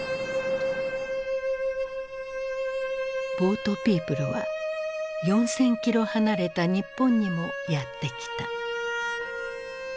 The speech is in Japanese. ボートピープルは４，０００キロ離れた日本にもやって来た。